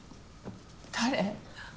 誰？